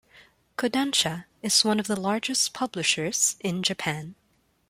Kodansha is one of the largest publishers in Japan.